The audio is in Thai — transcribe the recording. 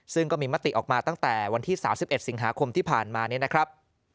ซึ่งก็มีมติออกมาตั้งแต่วันที่๓๑สิงหาคมที่ผ่านมานี้นะครับ